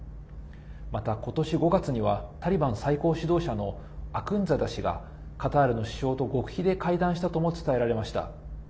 また、今年５月にはタリバン最高指導者のアクンザダ師がカタールの首相と、極秘で会談したとも伝えられました。